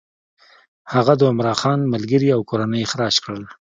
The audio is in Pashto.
هغه د عمرا خان ملګري او کورنۍ اخراج کړل.